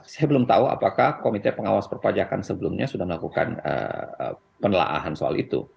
saya belum tahu apakah komite pengawas perpajakan sebelumnya sudah melakukan penelaahan soal itu